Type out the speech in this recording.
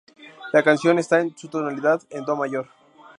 La canción está en su tonalidad en Do mayor.